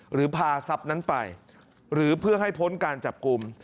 หรือพาทรัพย์นั้นไปหรือเพื่อให้พ้นการจับกลุ่ม